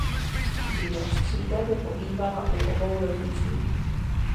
Gia střídavě pobývala u obou rodičů.